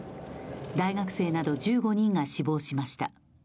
大学生など１５人が死亡しました。